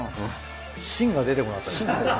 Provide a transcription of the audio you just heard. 芯が出てこなかったですね。